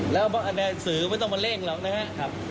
แล้วคะแนนสื่อไม่ต้องมาเร่งหรอกนะครับ